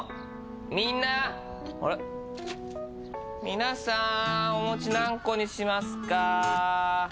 皆さーんお餅何個にしますか？